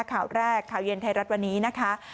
ข่าวแรกข่าวเย็นไทยรัฐวันนี้นะคะ